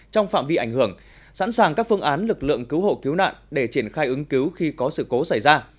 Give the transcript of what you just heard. trong phạm vi ảnh hưởng sẵn sàng các phương án lực lượng cứu hộ cứu nạn để triển khai ứng cứu khi có sự cố xảy ra